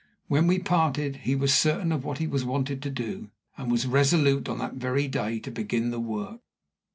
When we parted he was certain of what he was wanted to do, and was resolute on that very day to begin the work.